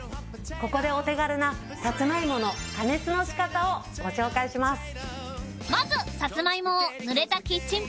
ここでお手軽なサツマイモの加熱のしかたをご紹介します。